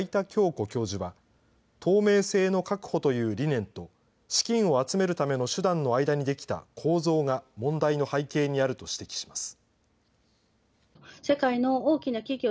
享子教授は、透明性の確保という理念と、資金を集めるための手段の間に出来た構造が問題の背景にあると指摘します。